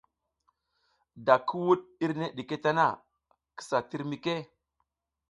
Da ki wuɗ irne ɗike tana, kisa tir mike.